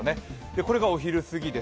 これがお昼すぎです。